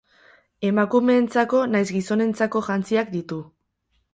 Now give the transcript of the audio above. Emakumeentzako nahiz gizonentzako jantziak ditu.